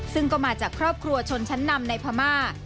ซึ่งก็มาจากครอบครัวชนชั้นนำในพม่า